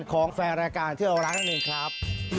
ของแฟนรายการที่เราร้านกันหนึ่งครับ